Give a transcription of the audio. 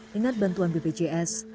dengan bantuan bpjs